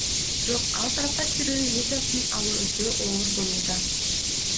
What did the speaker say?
Бирок ал тарапка кирүү визасын алуу өтө оор болууда.